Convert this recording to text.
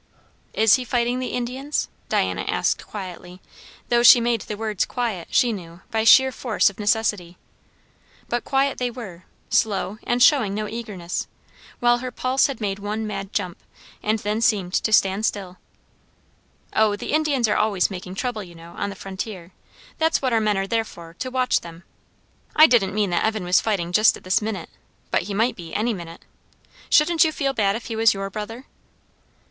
"Is he fighting the Indians?" Diana asked quietly; though she made the words quiet, she knew, by sheer force of necessity. But quiet they were; slow, and showing no eagerness; while her pulse had made one mad jump, and then seemed to stand still. "O, the Indians are always making trouble, you know, on the frontier; that's what our men are there for, to watch them. I didn't mean that Evan was fighting just at this minute; but he might be, any minute. Shouldn't you feel bad if he was your brother?"